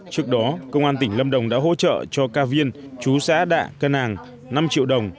trước đó công an tỉnh lâm đồng đã hỗ trợ cho ca viên chú xã đạ cân nàng năm triệu đồng